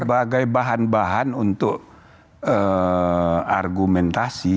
sebagai bahan bahan untuk argumentasi